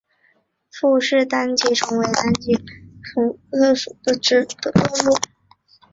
傅氏单极虫为单极科单极虫属的动物。